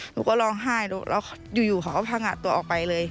หนูก็ร้องไห้แล้วอยู่เขาก็พังงะตัวออกไปเลย